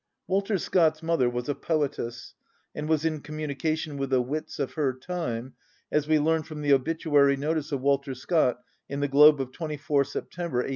Walter Scott's mother was a poetess, and was in communication with the wits of her time, as we learn from the obituary notice of Walter Scott in the Globe of 24th September 1832.